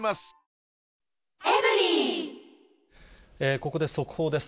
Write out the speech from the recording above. ここで速報です。